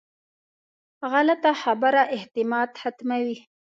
غلطه خبره اعتماد ختموي